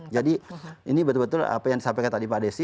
ini betul betul apa yang disampaikan tadi pak desi